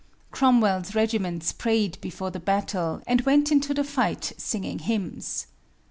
Cromwell's regiments prayed before the battle and went into the fight singing hymns.